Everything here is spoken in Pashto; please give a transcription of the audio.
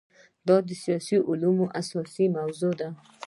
دا د سیاسي علومو اساسي موضوع ده.